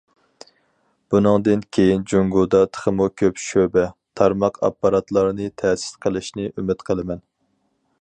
بۇنىڭدىن كېيىن جۇڭگودا تېخىمۇ كۆپ شۆبە، تارماق ئاپپاراتلارنى تەسىس قىلىشنى ئۈمىد قىلىمەن.